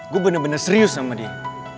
gue bener bener serius sama dia